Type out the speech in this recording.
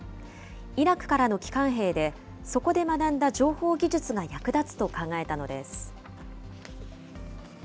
イラクからの帰還兵で、そこで学んだ情報技術が役立つと考えたのです。